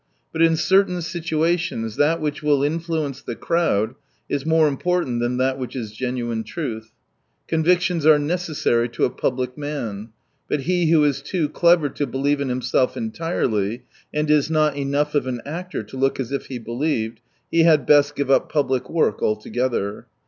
But in certain situations that which will influence the crowd is more important than that which is genuine truth. Convictions are necessary to a public man ; but he who is too clever to believe in himself entirely, and is not enough of an actor to look as if he believed, he had best give up public work altogether.